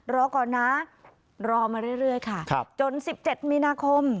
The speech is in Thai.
รอก่อนนะรอมาเรื่อยเรื่อยค่ะครับจนสิบเจ็ดมีนาคม